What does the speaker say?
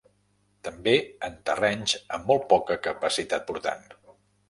També en terrenys amb molt poca capacitat portant.